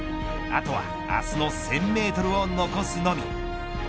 あとは明日の１０００メートルを残すのみ。